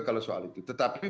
kalau soal itu tetapi